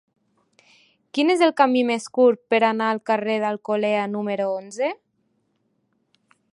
Quin és el camí més curt per anar al carrer d'Alcolea número onze?